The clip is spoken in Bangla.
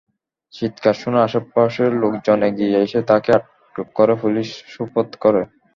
চিৎকার শুনে আশপাশের লোকজন এগিয়ে এসে তাঁকে আটক করে পুলিশে সোপর্দ করে।